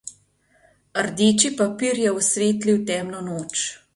Rdeči papir je osvetlil temno noč.